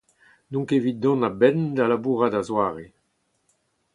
N'on ket evit dont a-benn da labourat a-zoare.